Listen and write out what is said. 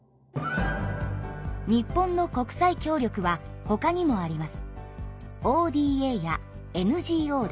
日本の国際協力はほかにもあります。